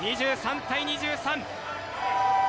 ２３対２３。